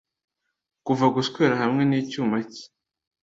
Kuva guswera hamwe nicyuma cye